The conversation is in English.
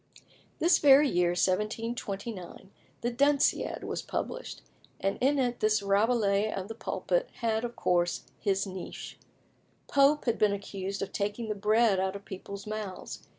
This very year, 1729, the Dunciad was published, and in it this Rabelais of the pulpit had, of course, his niche. Pope had been accused of taking the bread out of people's mouths.